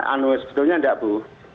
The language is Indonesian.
anu sebetulnya enggak bu